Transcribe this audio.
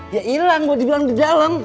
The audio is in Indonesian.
ya ilang gue dibilang di dalam